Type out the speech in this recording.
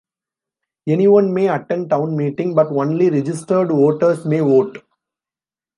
Anyone may attend Town Meeting but only registered voters may vote.